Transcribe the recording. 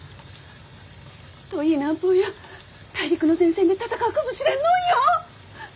遠い南方や大陸の前線で戦うかもしれんのんよ！？